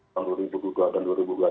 tahun dua ribu dua dan dua ribu dua puluh